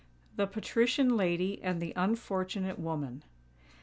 THE PATRICIAN LADY AND THE UNFORTUNATE WOMAN.